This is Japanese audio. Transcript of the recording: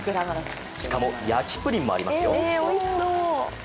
しかも、焼きプリンもありますよ。